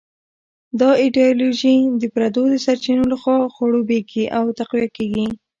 دا ایډیالوژي د پردو د سرچینو لخوا خړوبېږي او تقویه کېږي.